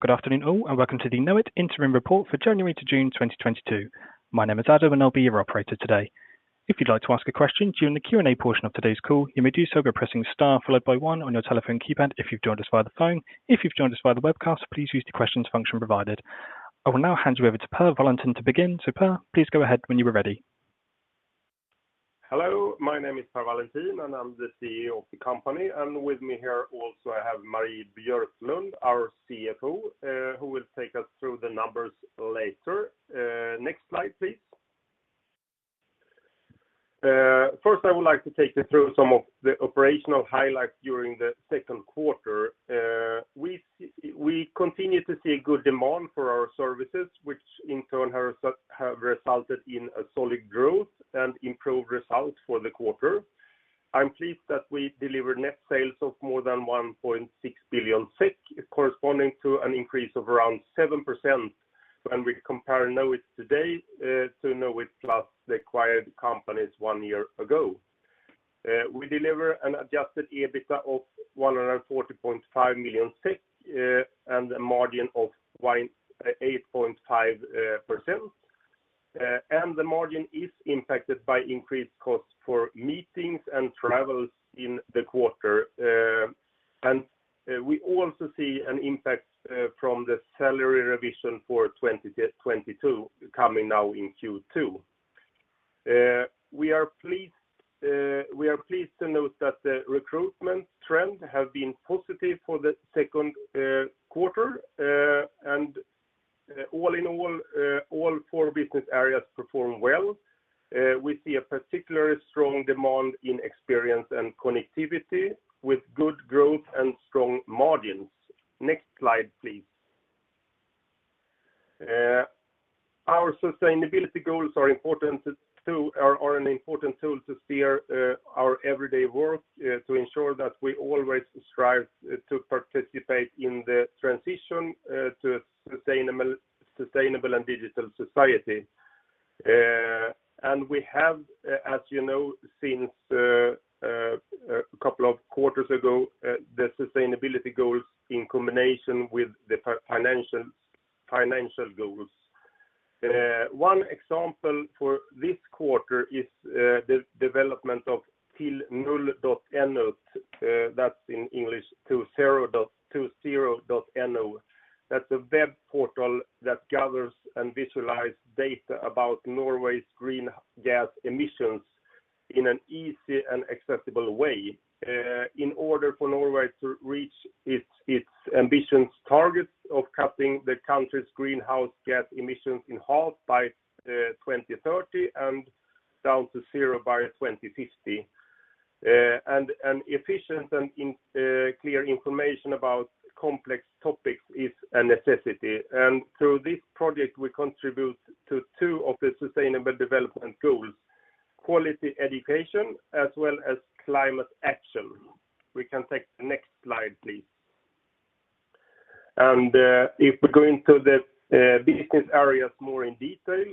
Good afternoon all, and welcome to the Knowit Interim report for January to June 2022. My name is Adam, and I'll be your operator today. If you'd like to ask a question during the Q&A portion of today's call, you may do so by pressing Star followed by one on your telephone keypad if you've joined us via the phone. If you've joined us via the webcast, please use the questions function provided. I will now hand you over to Per Wallentin to begin. Per, please go ahead when you are ready. Hello, my name is Per Wallentin, and I'm the CEO of the company. With me here also, I have Marie Björklund, our CFO, who will take us through the numbers later. Next slide, please. First, I would like to take you through some of the operational highlights during the second quarter. We continue to see good demand for our services, which in turn have resulted in a solid growth and improved results for the quarter. I'm pleased that we delivered net sales of more than 1.6 billion SEK, corresponding to an increase of around 7% when we compare Knowit today to Knowit plus the acquired companies one year ago. We deliver an adjusted EBITDA of 140.5 million SEK and a margin of with 8.5%. The margin is impacted by increased costs for meetings and travels in the quarter. We also see an impact from the salary revision for 2022 coming now in Q2. We are pleased to note that the recruitment trend have been positive for the second quarter. All in all four business areas perform well. We see a particularly strong demand in experience and connectivity with good growth and strong margins. Next slide, please. Our sustainability goals are an important tool to steer our everyday work to ensure that we always strive to participate in the transition to a sustainable and digital society. We have, as you know, since a couple of quarters ago, the sustainability goals in combination with the financial goals. One example for this quarter is the development of tilnull.no. That's in English, To Zero dot no. That's a web portal that gathers and visualize data about Norway's greenhouse gas emissions in an easy and accessible way, in order for Norway to reach its ambitious targets of cutting the country's greenhouse gas emissions in half by 2030 and down to zero by 2050. An efficient and clear information about complex topics is a necessity. Through this project, we contribute to two of the sustainable development goals, quality education as well as climate action. We can take the next slide, please. If we go into the business areas more in detail,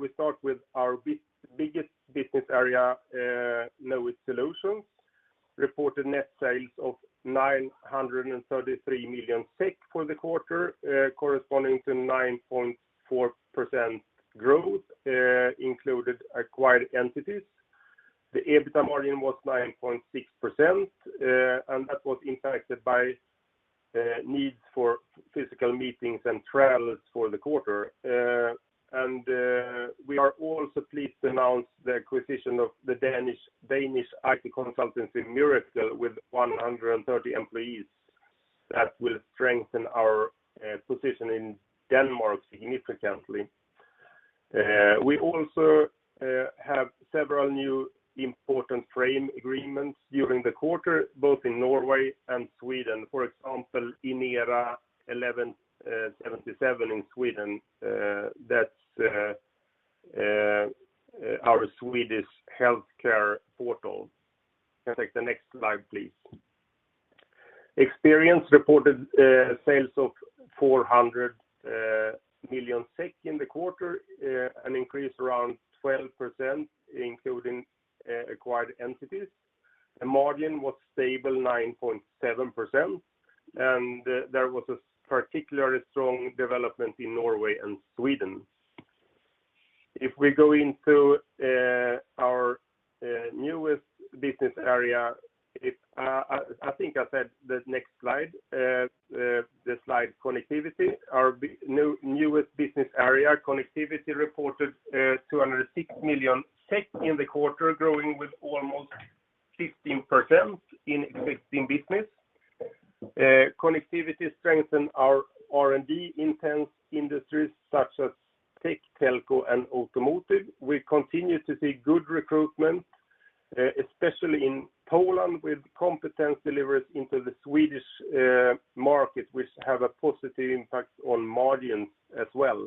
we start with our biggest business area, Knowit Solutions. Reported net sales of 933 million for the quarter, corresponding to 9.4% growth, included acquired entities. The EBITDA margin was 9.6%, and that was impacted by needs for physical meetings and travels for the quarter. We are also pleased to announce the acquisition of the Danish IT consultancy Miracle with 130 employees. That will strengthen our position in Denmark significantly. We also have several new important frame agreements during the quarter, both in Norway and Sweden. For example, Inera 1177 in Sweden, that's our Swedish healthcare portal. We can take the next slide, please. Experience reported sales of 400 million SEK in the quarter, an increase around 12%, including acquired entities. The margin was stable 9.7%, and there was a particularly strong development in Norway and Sweden. If we go into our newest business area, I think I said the next slide. The slide, Connectivity. Our newest business area, Connectivity, reported 206 million in the quarter, growing with almost 15% in existing business. Connectivity strengthen our R&D intense industries such as tech, telco, and automotive. We continue to see good recruitment, especially in Poland, with competence deliveries into the Swedish market, which have a positive impact on margins as well.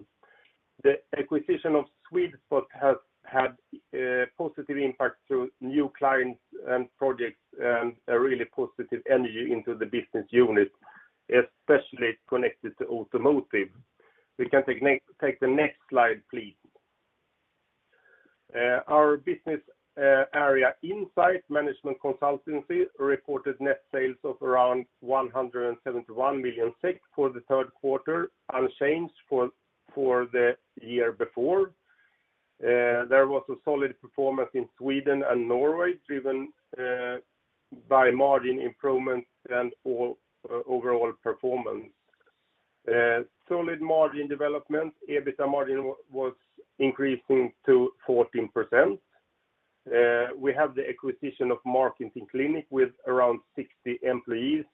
The acquisition of Swedspot has had positive impact through new clients and projects, a really positive energy into the business unit, especially connected to automotive. We can take the next slide, please. Our business area Insight management consultancy reported net sales of around 171 million for the third quarter, unchanged for the year before. There was a solid performance in Sweden and Norway, driven by margin improvements and overall performance. Solid margin development. EBITDA margin was increasing to 14%. We have the acquisition of Marketing Clinic with around 60 employees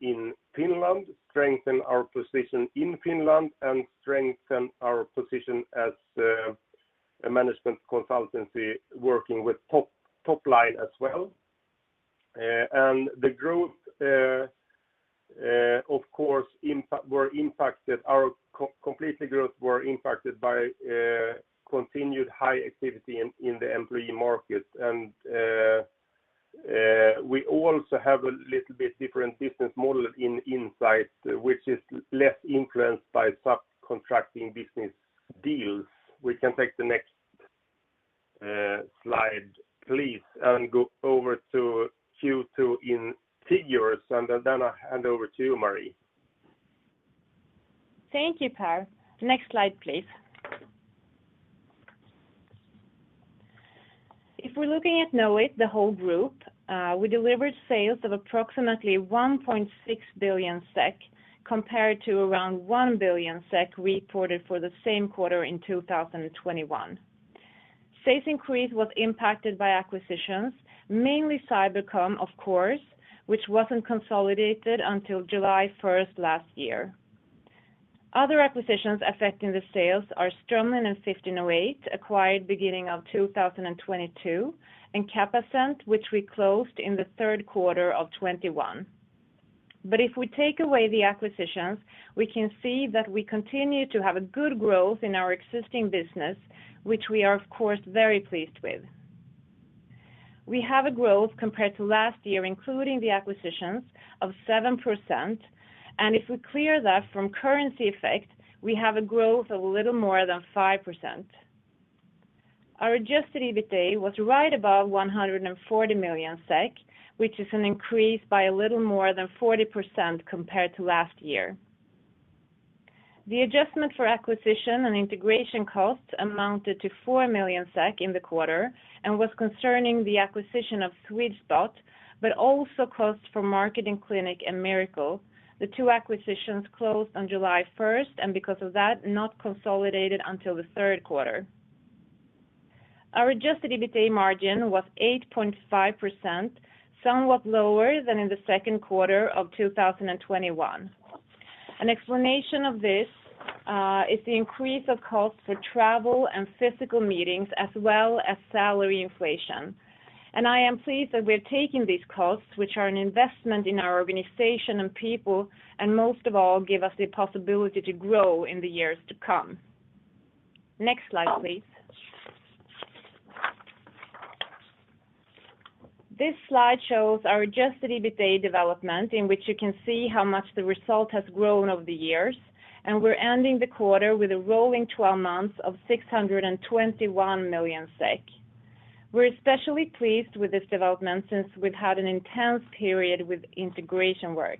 in Finland, strengthen our position in Finland and strengthen our position as a management consultancy working with top line as well. Our complete growth, of course, was impacted by continued high activity in the employment market. We also have a little bit different business model in Insight, which is less influenced by subcontracting business deals. We can take the next slide, please, and go over to Q2 figures, and then I hand over to you, Marie. Thank you, Per. Next slide, please. If we're looking at Knowit, the whole group, we delivered sales of approximately 1.6 billion SEK compared to around 1 billion SEK reported for the same quarter in 2021. Sales increase was impacted by acquisitions, mainly Cybercom, of course, which wasn't consolidated until July first last year. Other acquisitions affecting the sales are Strømlin and 1508, acquired beginning of 2022, and Capacent, which we closed in the third quarter of 2021. If we take away the acquisitions, we can see that we continue to have a good growth in our existing business, which we are, of course, very pleased with. We have a growth compared to last year, including the acquisitions of 7%. If we clear that from currency effect, we have a growth of a little more than 5%. Our adjusted EBITA was right above 140 million SEK, which is an increase by a little more than 40% compared to last year. The adjustment for acquisition and integration costs amounted to 4 million SEK in the quarter and was concerning the acquisition of Swedspot, but also costs for Marketing Clinic and Miracle. The two acquisitions closed on July first, and because of that, not consolidated until the third quarter. Our adjusted EBITA margin was 8.5%, somewhat lower than in the second quarter of 2021. An explanation of this is the increase of cost for travel and physical meetings as well as salary inflation. I am pleased that we're taking these costs, which are an investment in our organization and people, and most of all give us the possibility to grow in the years to come. Next slide, please. This slide shows our adjusted EBITA development in which you can see how much the result has grown over the years, and we're ending the quarter with a rolling twelve months of 621 million SEK. We're especially pleased with this development since we've had an intense period with integration work.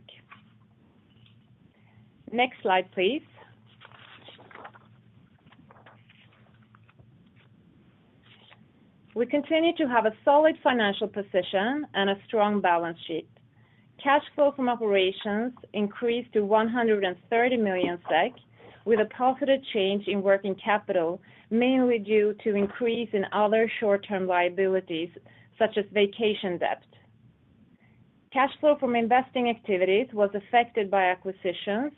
Next slide, please. We continue to have a solid financial position and a strong balance sheet. Cash flow from operations increased to 130 million SEK with a positive change in working capital, mainly due to increase in other short-term liabilities, such as vacation debt. Cash flow from investing activities was affected by acquisitions,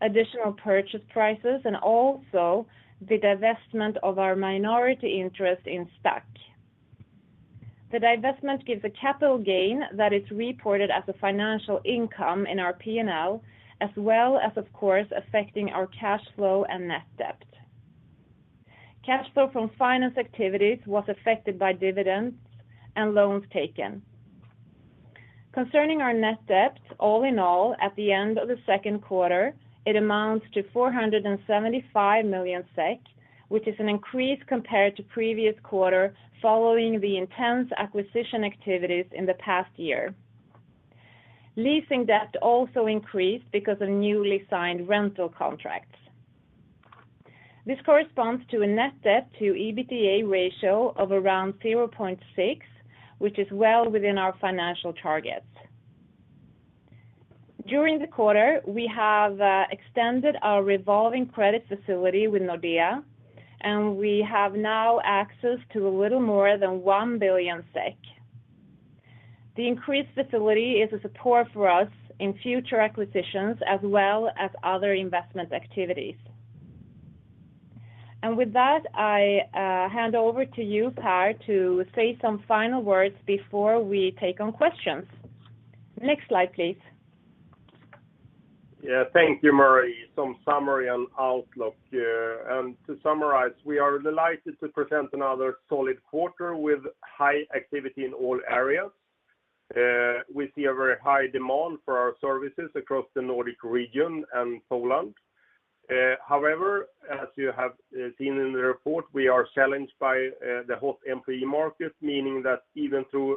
additional purchase prices, and also the divestment of our minority interest in Stacc. The divestment gives a capital gain that is reported as a financial income in our P&L, as well as, of course, affecting our cash flow and net debt. Cash flow from finance activities was affected by dividends and loans taken. Concerning our net debt, all in all, at the end of the second quarter, it amounts to 475 million SEK, which is an increase compared to previous quarter following the intense acquisition activities in the past year. Leasing debt also increased because of newly signed rental contracts. This corresponds to a net debt to EBITDA ratio of around 0.6, which is well within our financial targets. During the quarter, we have extended our revolving credit facility with Nordea, and we have now access to a little more than 1 billion SEK. The increased facility is a support for us in future acquisitions as well as other investment activities. With that, I hand over to you, Per, to say some final words before we take on questions. Next slide, please. Yeah. Thank you, Marie. Some summary and outlook here. To summarize, we are delighted to present another solid quarter with high activity in all areas. We see a very high demand for our services across the Nordic region and Poland. However, as you have seen in the report, we are challenged by the hot employee market, meaning that even though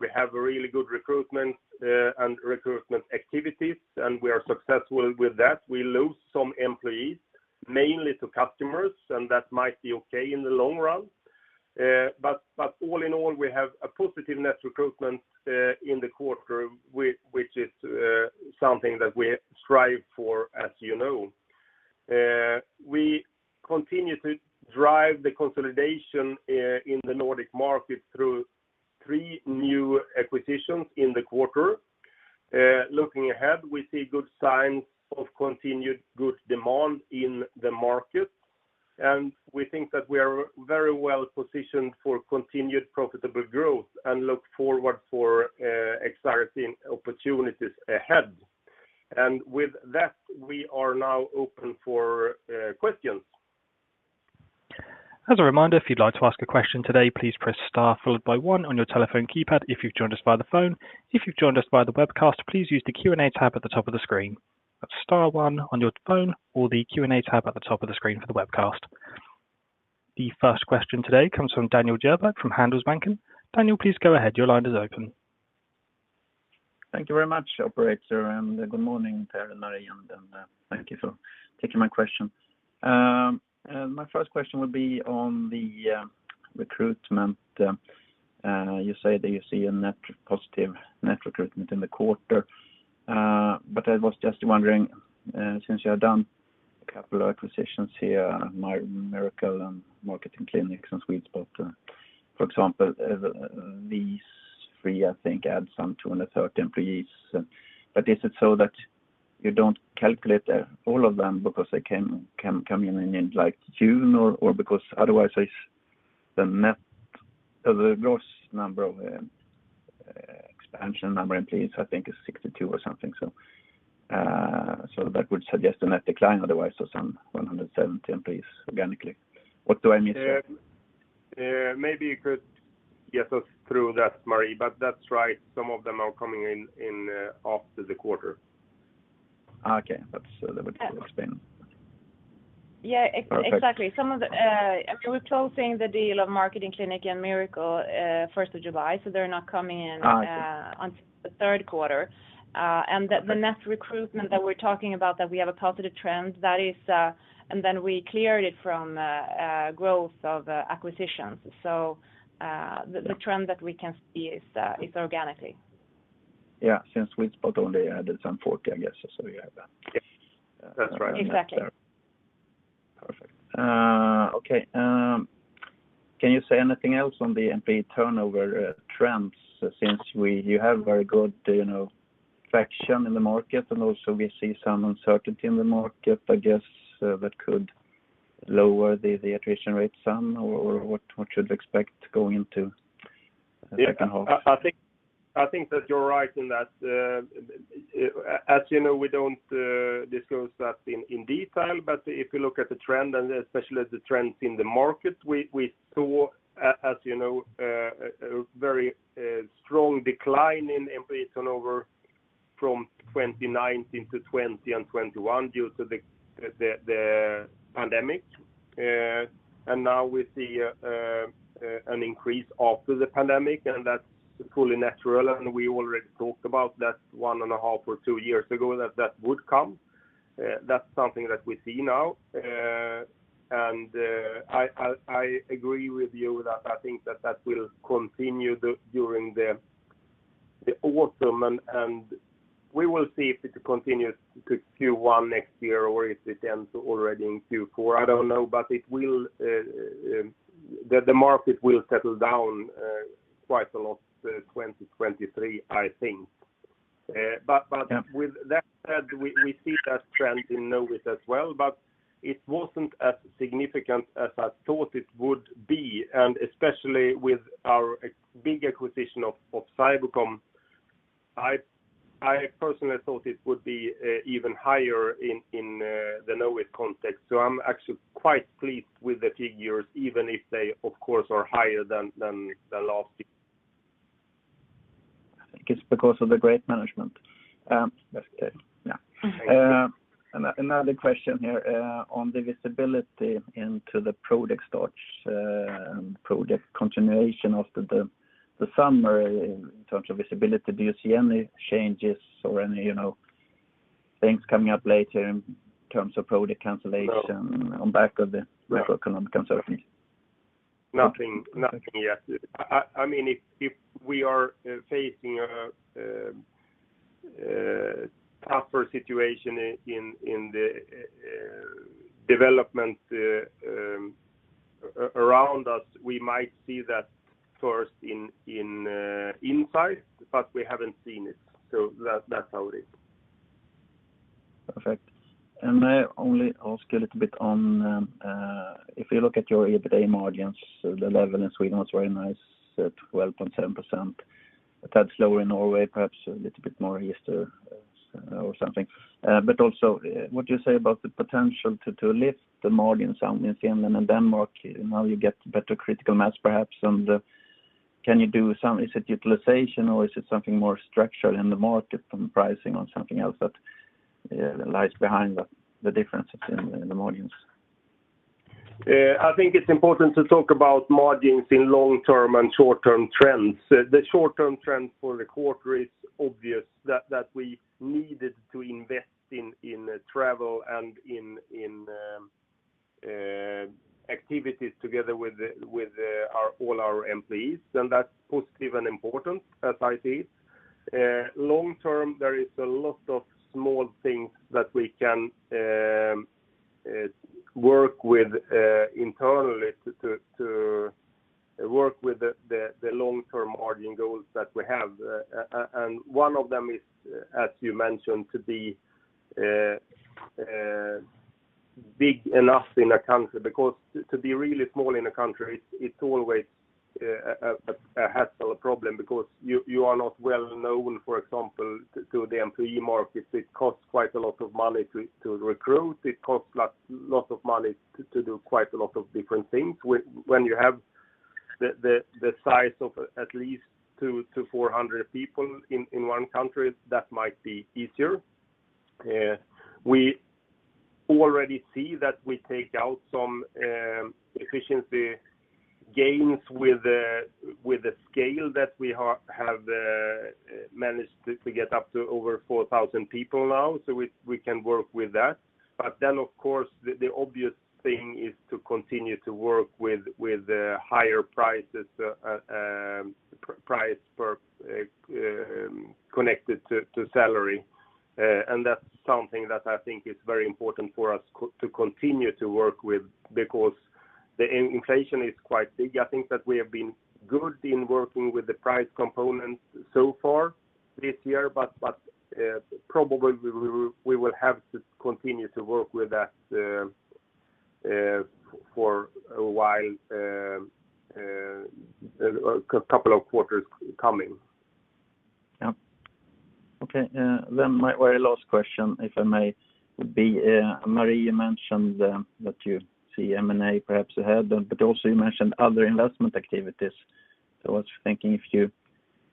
we have a really good recruitment and recruitment activities, and we are successful with that, we lose some employees, mainly to customers, and that might be okay in the long run. But all in all, we have a positive net recruitment in the quarter, which is something that we strive for, as you know. We continue to drive the consolidation in the Nordic market through three new acquisitions in the quarter. Looking ahead, we see good signs of continued good demand in the market, and we think that we are very well-positioned for continued profitable growth and look forward for exciting opportunities ahead. With that, we are now open for questions. As a reminder, if you'd like to ask a question today, please press Star followed by one on your telephone keypad if you've joined us by the phone. If you've joined us via the webcast, please use the Q&A tab at the top of the screen. That's Star one on your phone or the Q&A tab at the top of the screen for the webcast. The first question today comes from Daniel Djurberg from Handelsbanken. Daniel, please go ahead. Your line is open. Thank you very much, operator, and good morning, Per and Marie, and thank you for taking my question. My first question would be on the recruitment. You say that you see a positive net recruitment in the quarter. I was just wondering, since you have done a couple of acquisitions here, Miracle and Marketing Clinic since we'd spoke, for example, these three, I think, add some 230 employees. Is it so that you don't calculate all of them because they can come in in, like, June or because otherwise it's the gross number of expansion number employees, I think is 62 or something. That would suggest a net decline otherwise of some 170 employees organically. What do I miss here? Maybe you could get us through that, Marie, but that's right. Some of them are coming in after the quarter. Okay. That would explain. Yeah. Exactly. Perfect. Some of the, I mean, we're closing the deal of Marketing Clinic and Miracle, July 1st, so they're not coming in. Okay. until the third quarter. Perfect. The net recruitment that we're talking about that we have a positive trend, that is, and then we cleared it from growth of acquisitions. Yeah... the trend that we can see is organically. Yeah. Since Swedspot only added some SEK 40, I guess. You have that. Yes. That's right. Exactly. Perfect. Okay. Can you say anything else on the employee turnover trends you have very good, you know, traction in the market, and also we see some uncertainty in the market, I guess, that could lower the attrition rate some or what should we expect going into the second half? I think that you're right in that, as you know, we don't disclose that in detail. If you look at the trend, and especially the trends in the market, we saw, as you know, a very strong decline in employee turnover from 2019 to 2020 and 2021 due to the pandemic. Now we see an increase after the pandemic, and that's fully natural. We already talked about that one and a half or two years ago that it would come. That's something that we see now. I agree with you that I think that will continue during the autumn and we will see if it continues to Q1 next year or if it ends already in Q4. I don't know. It will, the market will settle down quite a lot, 2023, I think. Yeah with that said, we see that trend in Knowit as well, but it wasn't as significant as I thought it would be. Especially with our big acquisition of Cybercom, I personally thought it would be even higher in the Knowit context. I'm actually quite pleased with the figures, even if they of course are higher than the last. I think it's because of the great management. That's it. Yeah. Another question here on the visibility into the product starts and product continuation after the summer in terms of visibility. Do you see any changes or any things coming up later in terms of product cancellation? No On the back of the macroeconomic uncertainty? Nothing. Nothing yet. I mean, if we are facing a tougher situation in the development around us, we might see that first in Insight, but we haven't seen it. That's how it is. Perfect. May I only ask a little bit on if you look at your EBITDA margins, the level in Sweden was very nice at 12.7%. A tad slower in Norway, perhaps a little bit more Easter or something. Also what you say about the potential to lift the margin some in Finland and Denmark, now you get better critical mass perhaps on the. Is it utilization or is it something more structural in the market from pricing or something else that lies behind the differences in the margins? I think it's important to talk about margins in long-term and short-term trends. The short-term trend for the quarter is obvious that we needed to invest in travel and in activities together with all our employees. That's positive and important as I see it. Long term, there is a lot of small things that we can work with internally to work with the long-term margin goals that we have. One of them is, as you mentioned, to be big enough in a country, because to be really small in a country, it's always a hassle, a problem because you are not well-known, for example, to the employee markets. It costs quite a lot of money to recruit. It costs a lot of money to do quite a lot of different things. When you have the size of at least 200 to 400 people in one country, that might be easier. We already see that we take out some efficiency gains with the scale that we have managed to get up to over 4,000 people now, so we can work with that. Of course, the obvious thing is to continue to work with the higher prices, price per consultant connected to salary. That's something that I think is very important for us to continue to work with because the inflation is quite big. I think that we have been good in working with the price component so far this year, but probably we will have to continue to work with that for a while, a couple of quarters coming. Yeah. Okay. My very last question, if I may, would be, Marie, you mentioned that you see M&A perhaps ahead, but also you mentioned other investment activities. I was thinking if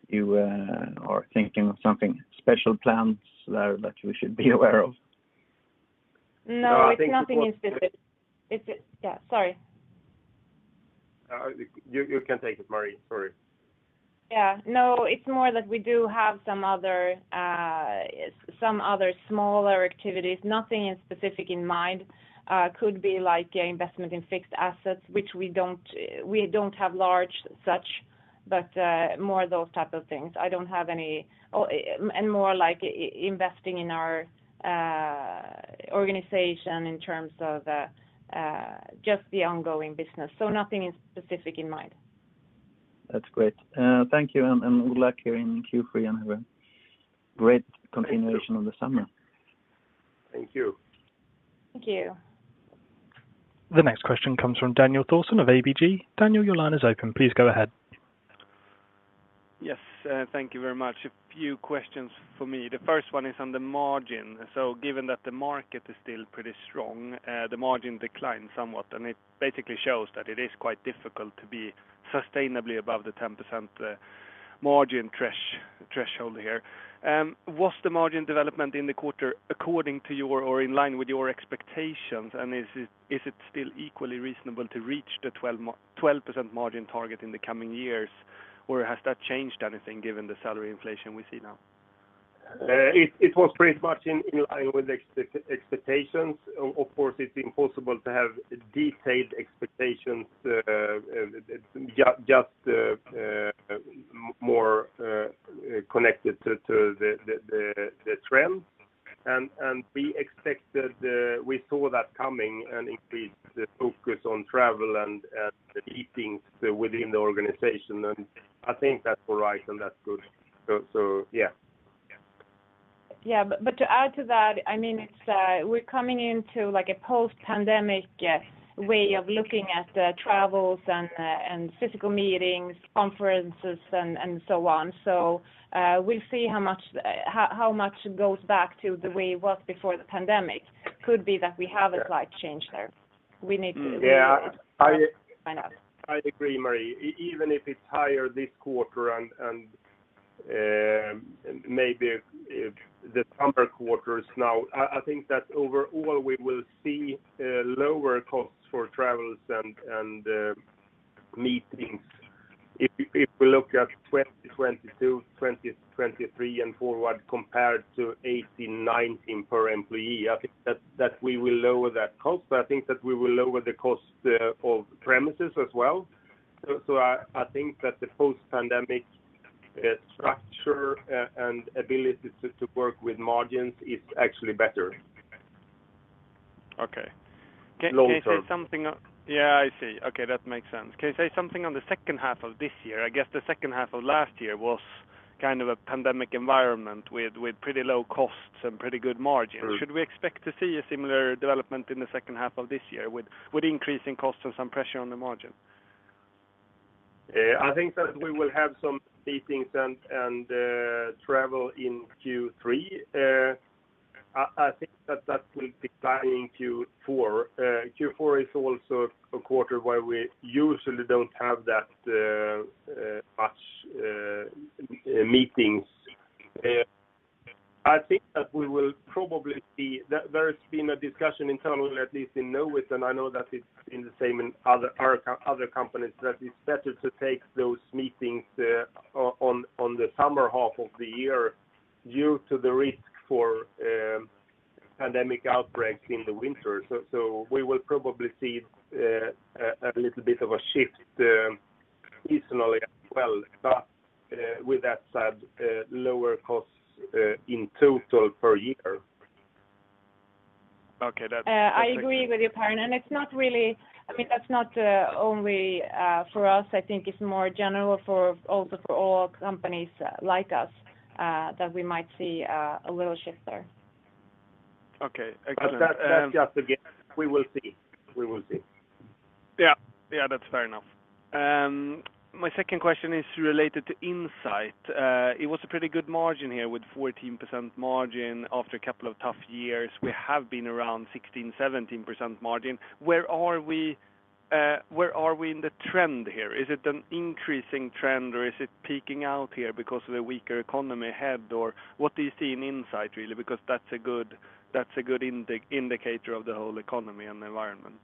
you are thinking of something special plans there that we should be aware of. No, I think. No, it's nothing specific. It's just. Yeah, sorry. You can take it, Marie. Sorry. Yeah. No, it's more that we do have some other smaller activities. Nothing is specific in mind. Could be like investment in fixed assets, which we don't have large such, but more those type of things. More like investing in our organization in terms of just the ongoing business. Nothing is specific in mind. That's great. Thank you and good luck here in Q3 and have a great continuation of the summer. Thank you. Thank you. The next question comes from Daniel Thorsson of ABG. Daniel, your line is open. Please go ahead. Yes, thank you very much. A few questions for me. The first one is on the margin. Given that the market is still pretty strong, the margin declined somewhat, and it basically shows that it is quite difficult to be sustainably above the 10% margin threshold here. Was the margin development in the quarter according to your or in line with your expectations? Is it still equally reasonable to reach the 12% margin target in the coming years? Has that changed anything given the salary inflation we see now? It was pretty much in line with expectations. Of course, it's impossible to have detailed expectations, just more connected to the trend. We expected, we saw that coming and increased the focus on travel and the meetings within the organization. I think that's all right and that's good. Yeah. Yeah. To add to that, I mean, it's, we're coming into like a post-pandemic way of looking at the travels and physical meetings, conferences and so on. We'll see how much goes back to the way it was before the pandemic. Could be that we have a slight change there. Yeah. Find out. I agree, Marie. Even if it's higher this quarter and maybe if the summer quarters now, I think that overall we will see lower costs for travels and meetings. If we look at 2022, 2023 and forward compared to 2018-2019 per employee, I think that we will lower that cost, but I think that we will lower the cost of premises as well. I think that the post-pandemic structure and ability to work with margins is actually better. Okay. Long term. Yeah, I see. Okay, that makes sense. Can you say something on the second half of this year? I guess the second half of last year was kind of a pandemic environment with pretty low costs and pretty good margins. True. Should we expect to see a similar development in the second half of this year with increasing costs and some pressure on the margin? I think that we will have some meetings and travel in Q3. I think that will decline in Q4. Q4 is also a quarter where we usually don't have that much meetings. I think that we will probably see. There's been a discussion internally, at least in Knowit, and I know that it's the same in other companies, that it's better to take those meetings on the summer half of the year due to the risk for pandemic outbreaks in the winter. We will probably see a little bit of a shift seasonally as well. With that said, lower costs in total per year. Okay. I agree with you, Per. It's not really. I mean, that's not only for us. I think it's more general also for all companies like us that we might see a little shift there. Okay. Excellent. That, that's just a guess. We will see. We will see. Yeah. Yeah, that's fair enough. My second question is related to Insight. It was a pretty good margin here with 14% margin after a couple of tough years. We have been around 16%, 17% margin. Where are we in the trend here? Is it an increasing trend, or is it peaking out here because of the weaker economy ahead? Or what do you see in Insight really? Because that's a good indicator of the whole economy and the environment.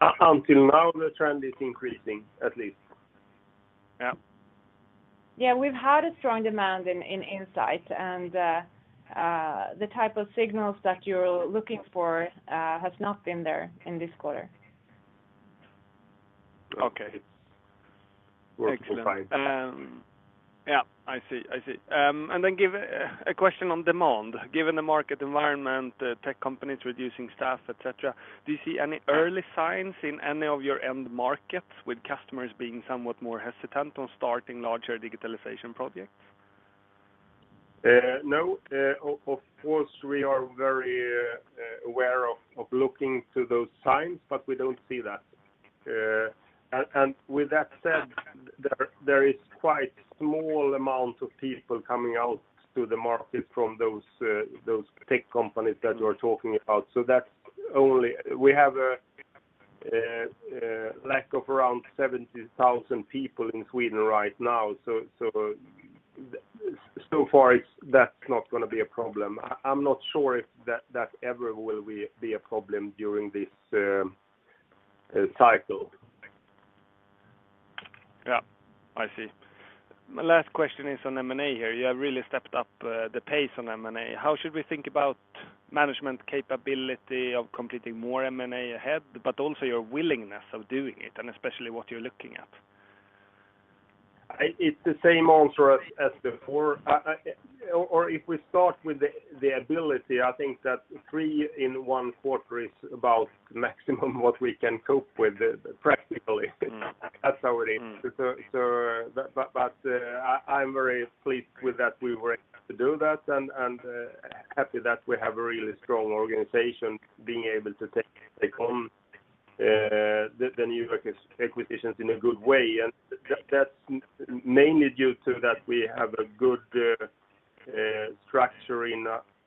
Until now the trend is increasing at least. Yeah. Yeah. We've had a strong demand in Insight. The type of signals that you're looking for has not been there in this quarter. Okay. We'll find out. Excellent. I see. Then a question on demand. Given the market environment, tech companies reducing staff, et cetera, do you see any early signs in any of your end markets with customers being somewhat more hesitant on starting larger digitalization projects? No. Of course we are very aware of looking to those signs, but we don't see that. With that said, there is quite small amount of people coming out to the market from those tech companies that you are talking about. That's only. We have a lack of around 70,000 people in Sweden right now. So far, it's not gonna be a problem. I'm not sure if that ever will be a problem during this cycle. Yeah. I see. My last question is on M&A here. You have really stepped up the pace on M&A. How should we think about management capability of completing more M&A ahead, but also your willingness of doing it, and especially what you're looking at? It's the same answer as before. If we start with the ability, I think that three in one quarter is about maximum what we can cope with practically. Mm. That's our aim. Mm. I'm very pleased with that we were able to do that and happy that we have a really strong organization being able to take on the new acquisitions in a good way. That's mainly due to that we have a good structure in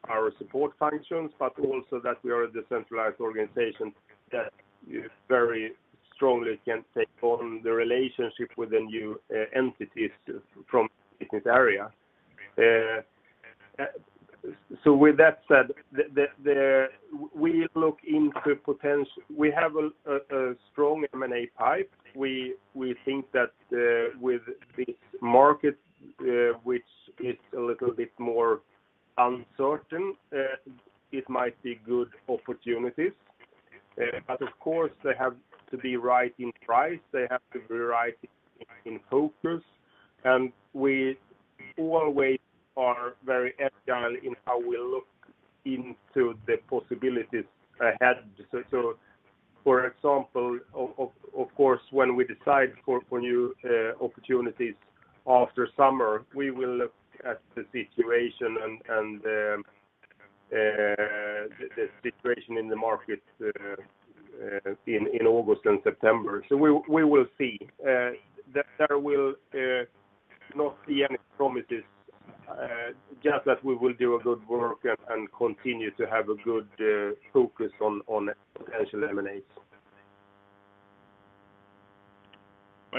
our support functions, but also that we are a decentralized organization that very strongly can take on the relationship with the new entities from business area. With that said, we have a strong M&A pipeline. We think that with this market, which is a little bit more uncertain, it might be good opportunities. Of course they have to be right in price, they have to be right in focus, and we always are very agile in how we look into the possibilities ahead. For example, of course, when we decide for new opportunities after summer, we will look at the situation in the market in August and September. We will see. There will not be any promises, just that we will do a good work and continue to have a good focus on potential M&As.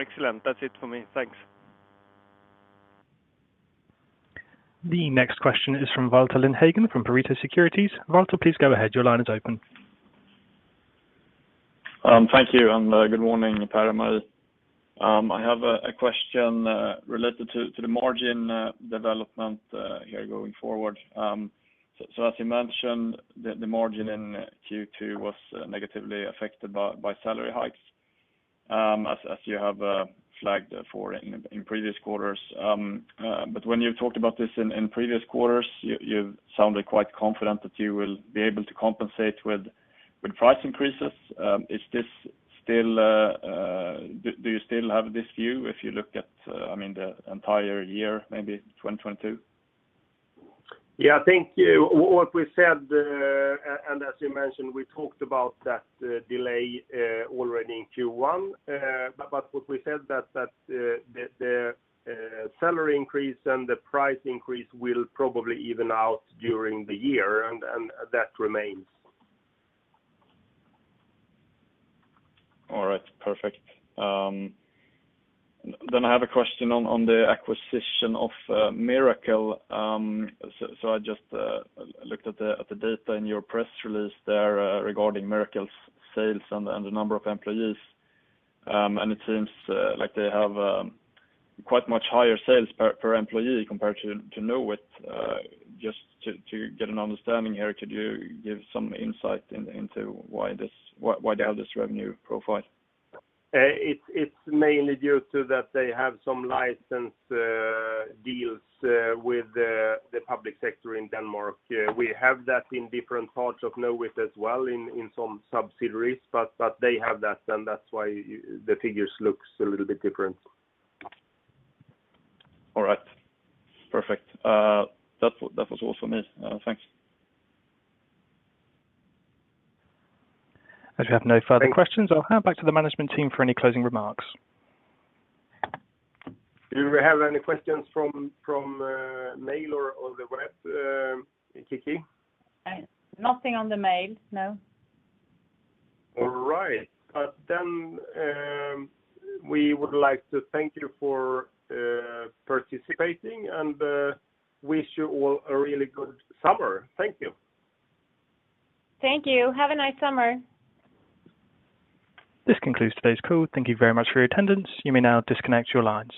Excellent. That's it for me. Thanks. The next question is from Walter Lindhagen from Pareto Securities. Walter, please go ahead. Your line is open. Thank you, and good morning, Per and Marie. I have a question related to the margin development here going forward. As you mentioned, the margin in Q2 was negatively affected by salary hikes, as you have flagged for in previous quarters. When you talked about this in previous quarters, you sounded quite confident that you will be able to compensate with price increases. Do you still have this view if you look at, I mean, the entire year, maybe 2022? Yeah, I think what we said, and as you mentioned, we talked about that delay already in Q1. What we said that the salary increase and the price increase will probably even out during the year, and that remains. All right. Perfect. I have a question on the acquisition of Miracle. I just looked at the data in your press release there, regarding Miracle's sales and the number of employees. It seems like they have quite much higher sales per employee compared to Knowit. Just to get an understanding here, could you give some insight into why they have this revenue profile? It's mainly due to that they have some license deals with the public sector in Denmark. We have that in different parts of Knowit as well in some subsidiaries, but they have that, and that's why the figures looks a little bit different. All right. Perfect. That was all for me. Thanks. As we have no further questions, I'll hand back to the management team for any closing remarks. Do we have any questions from mail or on the web, Kiki? Nothing on the mail, no. All right. We would like to thank you for participating, and wish you all a really good summer. Thank you. Thank you. Have a nice summer. This concludes today's call. Thank you very much for your attendance. You may now disconnect your lines.